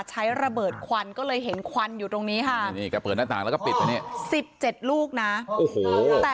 ใช้ระเบิดควันก็เลยเห็นควันอยู่ตรงนี้ค่ะ